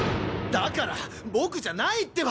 だから僕じゃないってば！